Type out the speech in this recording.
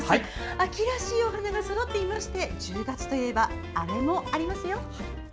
秋らしい花がそろっていまして１０月といえばあれもありますよ。